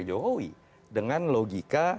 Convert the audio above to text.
jokowi dengan logika